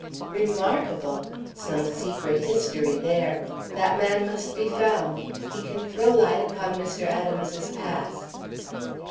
"Remarkable! Some secret history there! That man must be found. He can throw light upon Mr. Adams's past.